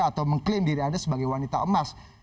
atau mengklaim diri anda sebagai wanita emas